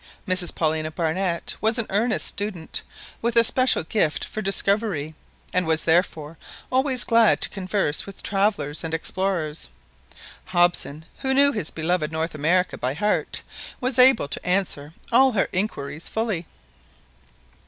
Mrs Paulina Barnett was an earnest student with a special gift for discovery, and was therefore always glad to converse with travellers and explorers. Hobson, who knew his beloved North America by heart, was able to answer all her inquiries fully.